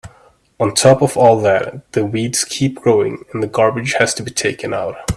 On top of all that, the weeds keep growing and the garbage has to be taken out.